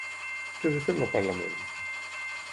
Què defèn el parlament?